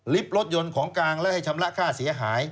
รถยนต์ของกลางและให้ชำระค่าเสียหาย